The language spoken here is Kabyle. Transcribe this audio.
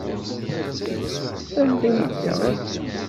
Sanda ay yedda ass-a?